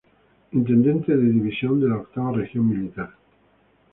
Intendente de División de la Octava Región Militar.